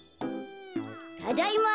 ただいま。